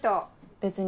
別に。